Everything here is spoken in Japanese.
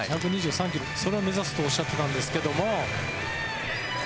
１２３キロそれを目指すとおっしゃってたんですけども。